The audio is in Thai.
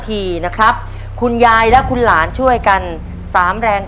โตเข้ามาบอกว่ายายซื้อให้ผมหน่อยดิเดี๋ยวผมสัญญาผมสัญญา